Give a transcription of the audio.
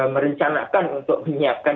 merencanakan untuk menyiapkan